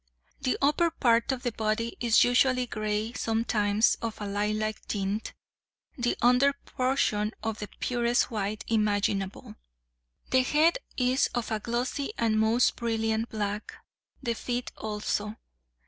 The upper part of the body is usually gray, sometimes of a lilac tint; the under portion of the purest white imaginable. The head is of a glossy and most brilliant black, the feet also.